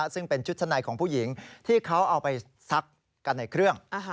ซึ่งเป็นชุดชั้นในของผู้หญิงที่เขาเอาไปซักกันในเครื่อง